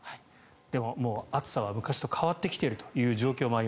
でももう暑さは昔と変わってきているという状態です。